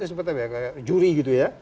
seperti juri gitu ya